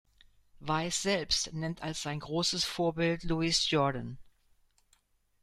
Weiss selbst nennt als sein großes Vorbild Louis Jordan.